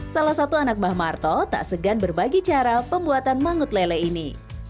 salah satu anak mbah marto tak segan berbagi cara pembuatan mangut lele ini